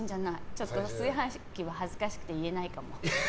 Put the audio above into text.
ちょっと炊飯器は恥ずかしくて言えないかも。